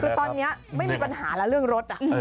คือตอนนี้ไม่มีปัญหาแล้วเรื่องรถ